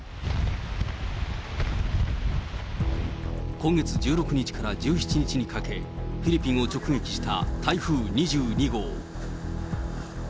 今月１６日から１７日にかけ、フィリピンを直撃した台風２２号。